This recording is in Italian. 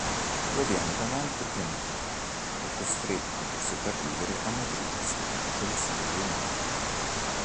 Proveniente da un altro pianeta, è costretta, per sopravvivere, a nutrirsi del sangue umano.